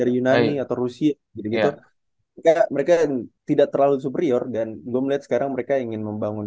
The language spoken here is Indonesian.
ini atau rusia jadi gitu mereka tidak terlalu superior dan gue melihat sekarang mereka ingin membangun